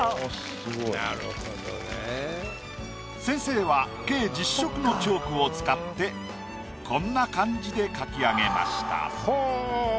先生は計１０色のチョークを使ってこんな感じで描き上げました。